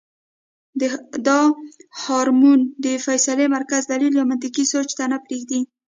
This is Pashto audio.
دا هارمون د فېصلې مرکز دليل يا منطقي سوچ ته نۀ پرېږدي -